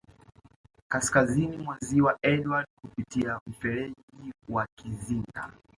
Kaskazini mwa Ziwa Edward kupitia mferji wa Kizinga